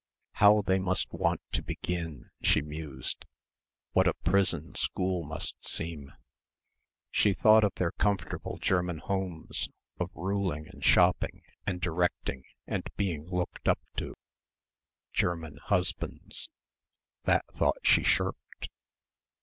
How they must want to begin, she mused.... What a prison school must seem. She thought of their comfortable German homes, of ruling and shopping and directing and being looked up to.... German husbands. That thought she shirked.